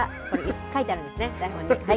書いてあるんですね、台本に。